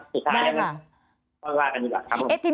สุดท้ายก็บอกกันดีกว่าครับผม